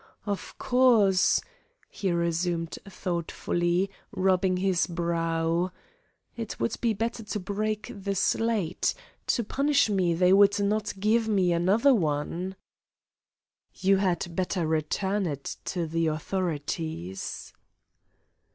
Of course," he resumed thoughtfully, rubbing his brow, "it would be better to break the slate; to punish me they would not give me another one " "You had better return it to the authorities."